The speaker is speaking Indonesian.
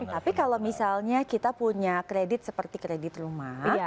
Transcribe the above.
tapi kalau misalnya kita punya kredit seperti kredit rumah